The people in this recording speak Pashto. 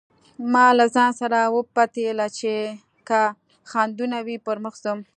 ما له ځانه سره وپتېيله چې که خنډونه وي پر مخ ځم.